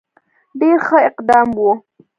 ډېر ښه اقدام وو.